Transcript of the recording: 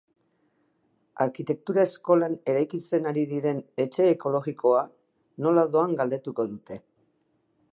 Arkitektura eskolan eraikitzen ari diren etxe ekologikoa nola doan galdetuko dute.